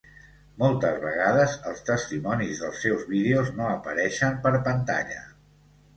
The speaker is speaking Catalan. Moltes vegades els testimonis dels seus vídeos no apareixen per pantalla.